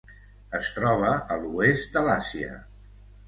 Es troba a l'oest de l'Àsia.